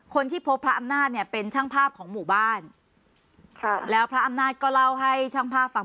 คนที่พบพระอำนาจเนี่ยเป็นช่างภาพของหมู่บ้านครับแล้วพระอำนาจก็เล่าให้ช่างภาพฟัง